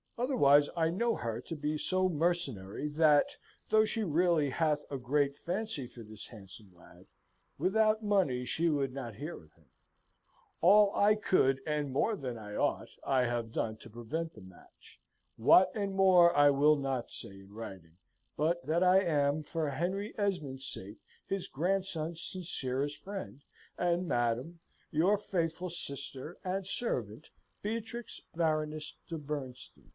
Otherwise I know her to be so mercenary that (though she really hath a great phancy for this handsome ladd) without money she would not hear of him. All I could, and more than I ought, I have done to prevent the match. What and more I will not say in writing; but that I am, for Henry Esmond's sake, his grandson's sincerest friend, and madam, Your faithful sister and servant, BEATRIX BARONESS DE BERNSTEIN.